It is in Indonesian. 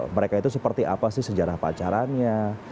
mereka itu seperti apa sih sejarah pacarannya